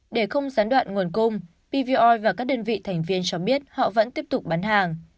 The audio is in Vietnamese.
để không gián đoạn nguồn cung pvoi và các đơn vị thành viên cho biết họ vẫn tiếp tục bán hàng